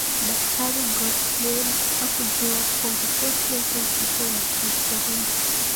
daktari gottlieb hakujua kuwa ripoti yake itakuwa ya kihistoria